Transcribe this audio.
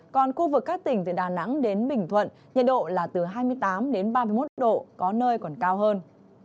còn khu vực các tỉnh từ đà nẵng đến bình thuận nhiệt độ là từ hai mươi tám đến ba mươi một độ có nơi còn cao hơn